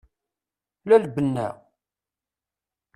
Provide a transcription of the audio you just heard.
La lbenna?